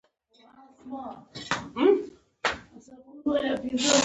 اوښکې مې بې اختياره وبهېدې.